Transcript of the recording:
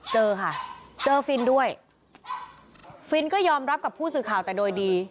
เจอค่ะเจอฟินด้วยฟินก็ยอมรับกับผู้สื่อข่าวแต่โดยดี